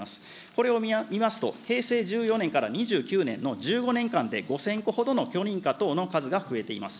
これを見ますと、平成１４年から２９年の１５年間で５０００個ほどの許認可等の数が増えています。